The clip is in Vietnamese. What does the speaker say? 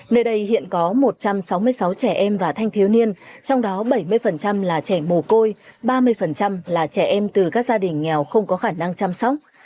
nơi đây hiện có một trăm sáu mươi sáu trẻ em và thanh thiếu niên trong đó bảy mươi là trẻ mồ côi ba mươi là trẻ em từ các gia đình nghèo không có khả năng chăm sóc